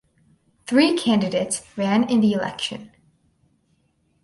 Three candidates ran in the election.